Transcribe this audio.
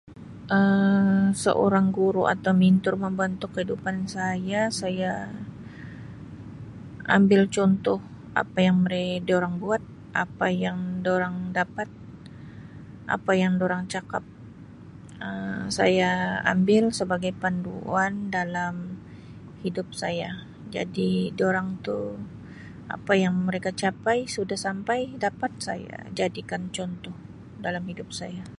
Um Seorang guru atau mentor membantu kehidupan saya, saya ambil contoh apa yang boleh durang buat, apa yang yang durang dapat, apa yang durang cakap, Um saya ambil sebagai panduan dalam hidup saya jadi durang tu apa yang mereka capai sudah sampai dapat saya jadikan contoh dalam hidup saya.